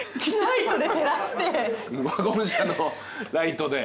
ワゴン車のライトで。